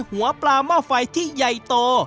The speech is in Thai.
หัวปลาหม้อไฟที่ใหญ่โต